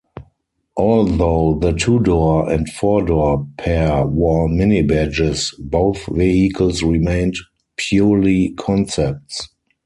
Although the two-door and four-door pair wore Mini badges, both vehicles remained purely concepts.